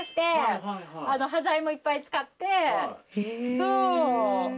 そう。